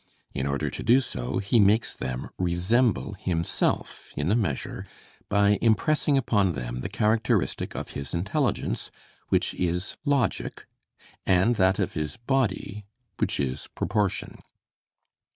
In order to do so he makes them resemble himself in a measure, by impressing upon them the characteristic of his intelligence, which is logic, and that of his body, which is proportion.